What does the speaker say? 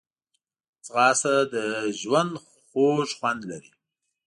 ځغاسته د ژوند خوږ خوند لري